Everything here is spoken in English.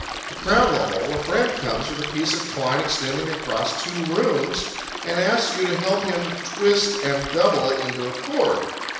To crown the whole, a friend comes with a piece of twine extending across two rooms, and asks you to help him twist and double it into a cord.